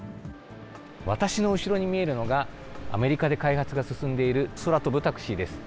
私の後ろに見えるのが、アメリカで開発が進んでいる空飛ぶタクシーです。